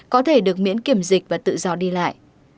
có thể được miễn kiểm dịch và tự do đi lại